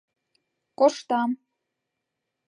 — Коштам...